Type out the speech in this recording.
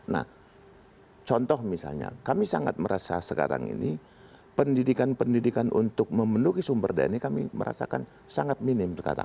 nah contoh misalnya kami sangat merasa sekarang ini pendidikan pendidikan untuk memenuhi sumber daya ini kami merasakan sangat minim sekarang